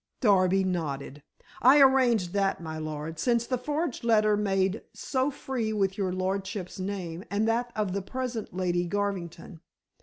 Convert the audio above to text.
Darby nodded. "I arranged that, my lord, since the forged letter made so free with your lordship's name and that of the present Lady Garvington.